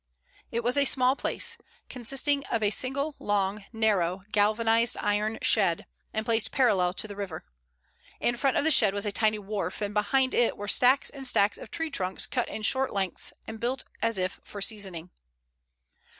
It was a small place, consisting of a single long narrow galvanized iron shed, and placed parallel to the river. In front of the shed was a tiny wharf, and behind it were stacks and stacks of tree trunks cut in short lengths and built as if for seasoning.